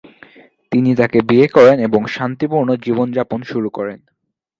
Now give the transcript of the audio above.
তিনি তাকে বিয়ে করেন এবং শান্তিপূর্ণ জীবনযাপন শুরু করেন।